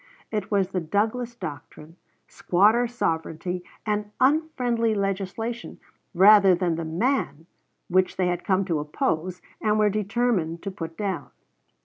It was the Douglas doctrine, squatter sovereignty, and "unfriendly legislation," rather than the man, which they had come to oppose, and were determined to put down.